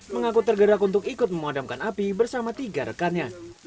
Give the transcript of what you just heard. mengaku tergerak untuk ikut memadamkan api bersama tiga rekannya